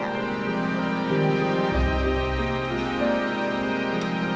kampung luar batang kampung kampung mekah